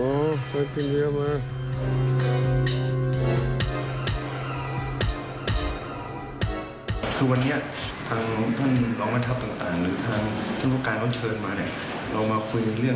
สวัสดีครับทุกคน